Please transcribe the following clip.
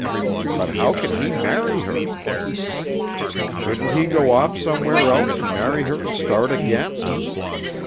But how can he marry her?" "Couldn't he go off somewhere else and marry her and start again?